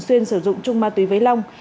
sử dụng chung ma túy với long